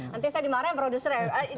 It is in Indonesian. nanti saya dimarahin produser ya